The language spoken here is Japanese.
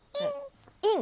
イン！！